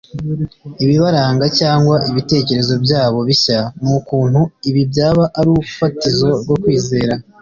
ibibaranga cyangwa ibitekerezo byabo bishya n'ukuntu ibi byaba urufatiro rwo kwizera,